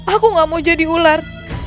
aku gak mau jadi ular